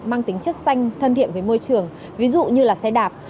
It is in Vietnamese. mang tính chất xanh thân thiện với môi trường ví dụ như là xe đạp